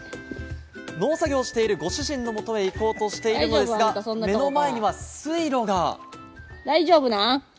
農作業をしているご主人のもとへ行こうとしているのですが、目の前には水路が。